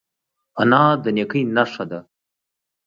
انا د نیکۍ نښه ده